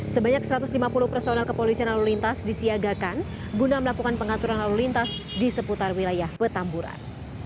sebanyak satu ratus lima puluh personel kepolisian lalu lintas disiagakan guna melakukan pengaturan lalu lintas di seputar wilayah petamburan